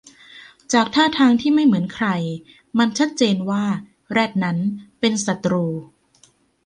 จากท่าทางที่ไม่เหมือนใครมันชัดเจนว่าแรดนั้นเป็นศัตรู